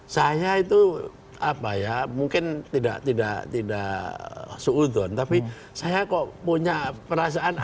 saya itu apa ya mungkin tidak tidak seudon tapi saya kok punya perasaan